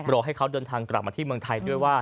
รอให้เขาเดินทางกลับมาที่เมืองไทยด้วยว่า